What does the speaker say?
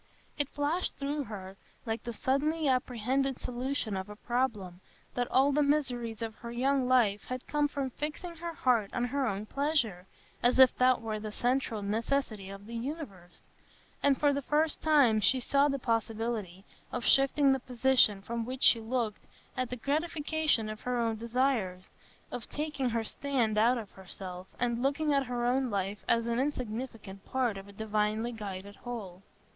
It flashed through her like the suddenly apprehended solution of a problem, that all the miseries of her young life had come from fixing her heart on her own pleasure, as if that were the central necessity of the universe; and for the first time she saw the possibility of shifting the position from which she looked at the gratification of her own desires,—of taking her stand out of herself, and looking at her own life as an insignificant part of a divinely guided whole.